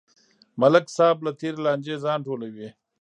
ملک صاحب له تېرې لانجې ځان ټولوي.